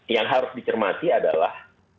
yang harus dicermati adalah